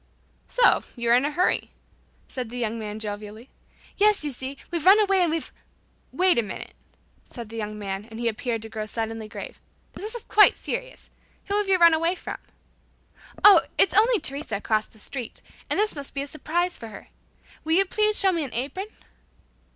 "So, you're in a hurry," said the young man jovially. "Yes, you see, we've run away and we've " "Wait a minute," said the young man, and he appeared to grow suddenly grave "This is quite serious. Who have you run away from?" "Oh, it's only Teresa across the street, and this must be a surprise for her. Will you please show me an apron?"